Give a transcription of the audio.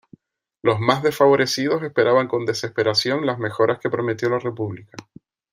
Los más desfavorecidos esperaban con desesperación las mejoras que prometió la República.